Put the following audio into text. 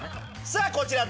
さあこちら。